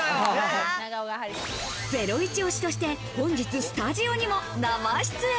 ゼロイチ推しとして、本日スタジオにも生出演。